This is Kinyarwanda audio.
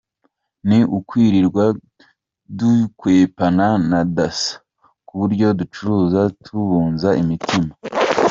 Ni ukwirirwa dukwepana na Dasso, ku buryo ducuruza tubunza imitima.